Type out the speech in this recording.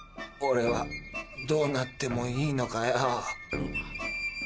オレはどうなってもいいのかよ。